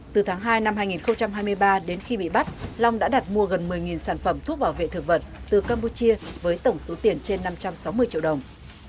từ tháng hai năm hai nghìn hai mươi ba đến khi bị bắt long đã đặt mua gần một mươi sản phẩm thuốc bảo vệ thực vật từ campuchia với tổng số tiền trên năm trăm sáu mươi triệu đồng